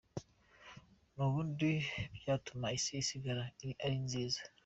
N’ubundi byatuma isi isigara ari nziza.